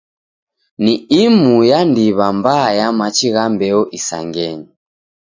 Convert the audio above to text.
Ni imu ya ndiw'a mbaa ya machi gha mbeo isangenyi.